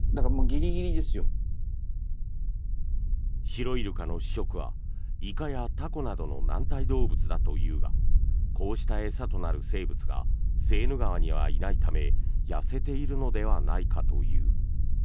シロイルカの主食はイカやタコなどの軟体動物だというがこうした餌となる生物がセーヌ川にはいないため痩せているのではないかという。